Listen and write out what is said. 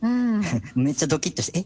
めっちゃどきっとして。